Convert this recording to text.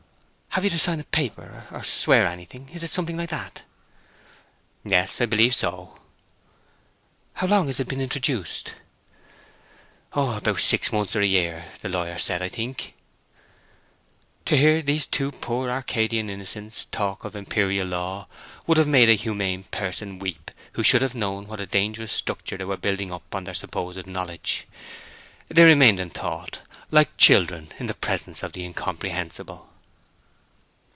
"Have you to sign a paper, or swear anything? Is it something like that?" "Yes, I believe so." "How long has it been introduced?" "About six months or a year, the lawyer said, I think." To hear these two poor Arcadian innocents talk of imperial law would have made a humane person weep who should have known what a dangerous structure they were building up on their supposed knowledge. They remained in thought, like children in the presence of the incomprehensible.